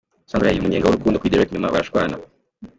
Sandra yariye umunyenga w'urukundo kuri Derek nyuma barashwana.